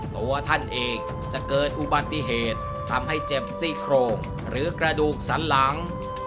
ตัวท่านเองจะเกิดอุบัติเหตุทำให้เจ็บซี่โครงหรือกระดูกสันหลัง